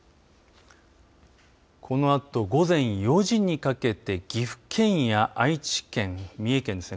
このあと、午前４時にかけて岐阜県や愛知県、三重県ですね